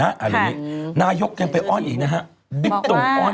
นานนานนานนานนานนานนานนานนานนานนานนานนานนานนานนานนาน